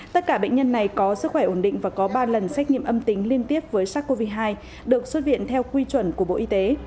tất cả bệnh nhân này có sức khỏe ổn định và có ba lần xét nghiệm âm tính liên tiếp với sars cov hai được xuất viện theo quy chuẩn của bộ y tế